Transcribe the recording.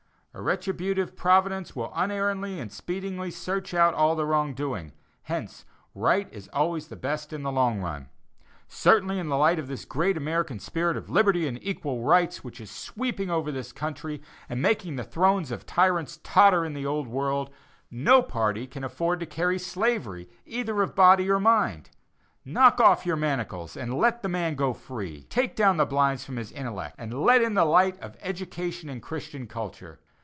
A retributive Providence will unerringly and speedily search out all wrong doing; hence, right is always the best in the long run. Certainly, in the light of the great American spirit of liberty and equal rights which is sweeping over this country, and making the thrones of tyrants totter in the old world, no party can afford to carry slavery, either of body or of mind. Knock off your manacles and let the man go free. Take down the blinds from his intellect, and let in the light of education and Christian culture.